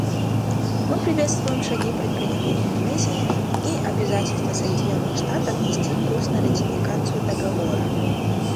Мы приветствуем шаги, предпринятые Индонезией, и обязательство Соединенных Штатов вести курс на ратификацию Договора.